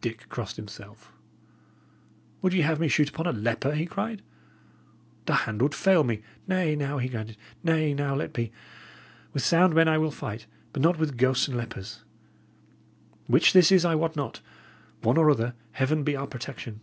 Dick crossed himself. "Would ye have me shoot upon a leper?" he cried. "The hand would fail me. Nay, now," he added "nay, now, let be! With sound men I will fight, but not with ghosts and lepers. Which this is, I wot not. One or other, Heaven be our protection!"